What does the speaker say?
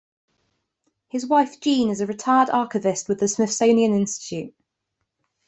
His wife, Jean, is a retired archivist with the Smithsonian Institution.